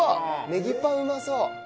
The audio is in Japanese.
ネギパンうまそう！